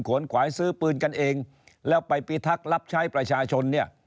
ขวายซื้อปืนกันเองแล้วไปพิทักษ์รับใช้ประชาชนเนี่ย